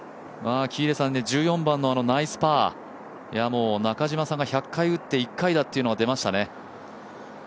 １４番のナイスパー、中嶋さんが１００回打って１回だというのが出ましたね。